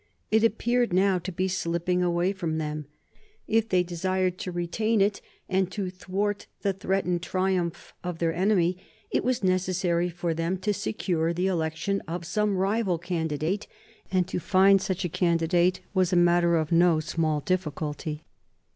It appeared now to be slipping away from them. If they desired to retain it, and to thwart the threatened triumph of their enemy, it was necessary for them to secure the election of some rival candidate; and to find such a candidate was a matter of no small difficulty.